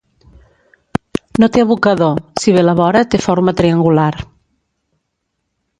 No té abocador, si bé la vora té forma triangular.